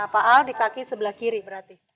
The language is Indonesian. pak al di kaki sebelah kiri berarti